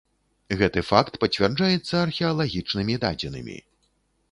Гэты факт пацвярджаюцца археалагічнымі дадзенымі.